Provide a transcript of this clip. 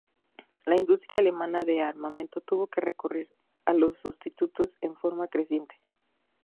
La industria alemana de armamento tuvo que recurrir a los sustitutos en forma creciente.